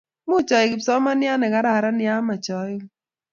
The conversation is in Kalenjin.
Much aleku kipsomananiat ne kararan ye amach aleku.